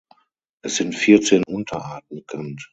Es sind vierzehn Unterarten bekannt.